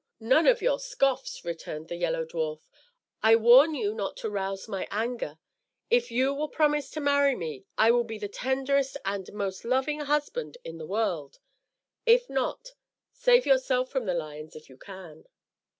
"None of your scoffs," returned the Yellow Dwarf; "I warn you not to rouse my anger. If you will promise to marry me, I will be the tenderest and most loving husband in the world; if not, save yourself from the lions, if you can."